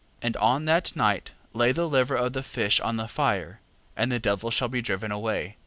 6:19. And on that night lay the liver of the fish on the fire, and the devil shall be driven away.